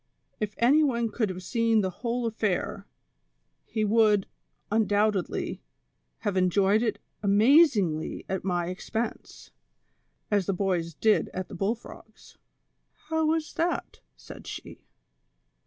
If any one could have seen the whole affair, he would, undoubtedly, have enjoyed it amazingly at my ex pense, as the boys did at tlie bull frogs." " How was that ?" said she.